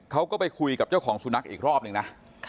เขาก็ไปคุยกับเจ้าของสุนัขอีกรอบนึงนะ